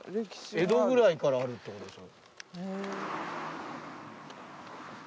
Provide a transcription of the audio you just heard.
江戸くらいからあるってことでしょ。